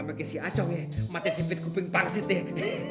mereka kaya si acong ya mati si pitkubing pansit ya